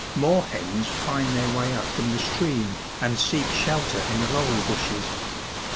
Moorhens find their way up from the stream, and seek shelter in the laurel bushes.